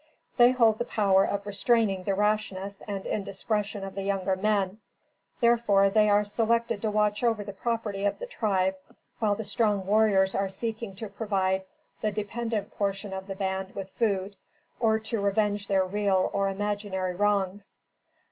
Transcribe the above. They hold the power of restraining the rashness and indiscretion of the younger men, therefore they are selected to watch over the property of the tribe, while the strong warriors are seeking to provide the dependent portion of the band with food, or to revenge their real or imaginary wrongs.